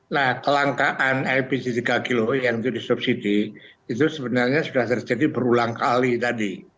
nah kelangkaan lpg tiga kg yang disubsidi itu sebenarnya sudah terjadi berulang kali tadi